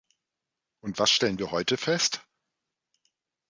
Und was stellen wir heute fest?